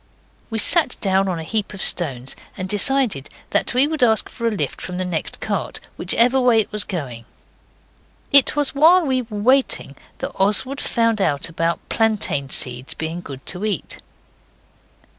We sat down on a heap of stones, and decided that we would ask for a lift from the next cart, whichever way it was going. It was while we were waiting that Oswald found out about plantain seeds being good to eat.